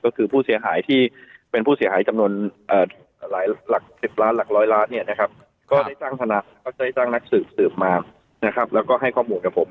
ก็คือผู้เสียหายที่เป็นผู้เสียหายจำนวนหลายหลัก๑๐ล้านหลักร้อยล้านเนี่ยนะครับก็ได้ตั้งนักสืบสืบมานะครับแล้วก็ให้ข้อมูลกับผม